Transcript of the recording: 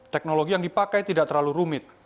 teknologi yang dipakai tidak terlalu rumit